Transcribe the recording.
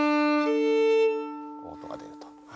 音が出ると。